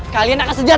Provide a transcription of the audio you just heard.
kalian akan berjaya